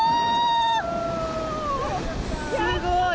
すごい！